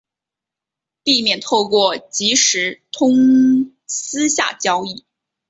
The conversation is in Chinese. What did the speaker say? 避免透过即时通私下交易